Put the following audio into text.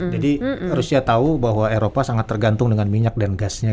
jadi rusia tau bahwa eropa sangat tergantung dengan minyak dan gasnya